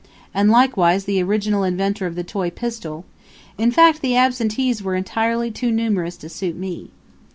And likewise the original inventor of the toy pistol; in fact the absentees were entirely too numerous to suit me.